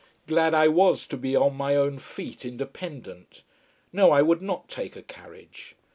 Glad I was to be on my own feet, independent. No, I would not take a carriage.